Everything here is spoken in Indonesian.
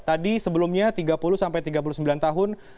tadi sebelumnya tiga puluh sampai tiga puluh sembilan tahun